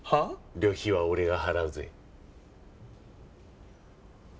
旅費は俺が払うぜ。